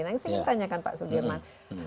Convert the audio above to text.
saya ingin tanyakan pak sudirman